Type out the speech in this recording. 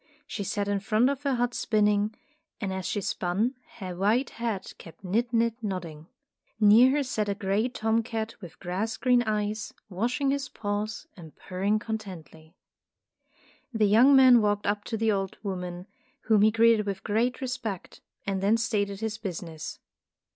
She sat in front of her hut spinning, and as she spun, her white head kept nid nid nodding. Near her sat a gray tom cat with grass green eyes, washing his paws and purring contentedly. The young man walked up to the old woman, whom he greeted with great re spect, and then stated his business.